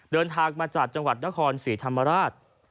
เดินทางมาจากจังหวัดนครศรีธรรมราช